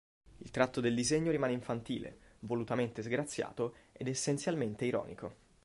Il tratto del disegno rimane infantile, volutamente sgraziato ed essenzialmente ironico.